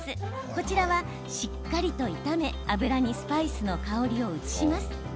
こちらは、しっかりと炒め油にスパイスの香りを移します。